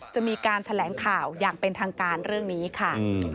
จะมีการแถลงข่าวอย่างเป็นทางการเรื่องนี้ค่ะ